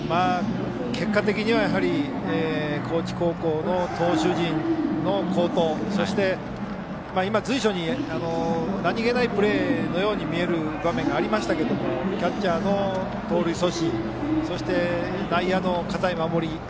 結果的にはやはり高知高校の投手陣の好投そして、随所に何気ないプレーのように見える場面がありましたけどもキャッチャーの盗塁阻止そして、内野の堅い守り。